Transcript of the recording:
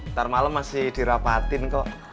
ntar malam masih dirapatin kok